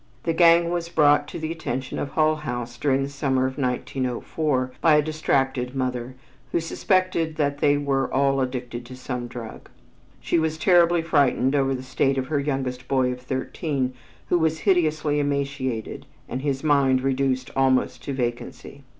The gang was brought to the attention of Hull House during the summer of 1904 by a distracted mother, who suspected that they were all addicted to some drug. She was terribly frightened over the state of her youngest boy of thirteen, who was hideously emaciated and his mind reduced almost to vacancy.